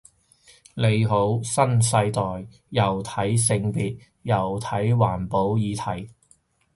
你好新世代，又睇性別又睇環保議題